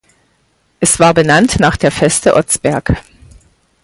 Es war benannt nach der Veste Otzberg.